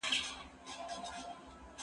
زه هره ورځ کتاب وليکم،،